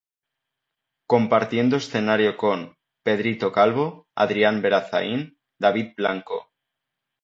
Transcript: Compartiendo escenario con "Pedrito Calvo","Adrian Berazain","David Blanco".